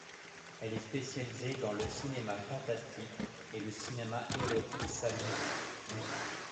Elle est spécialisée dans le cinéma fantastique et le cinéma érotique saphique.